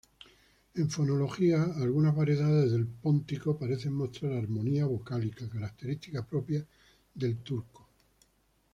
En fonología, algunas variedades del póntico parecen mostrar armonía vocálica, característica propia del turco.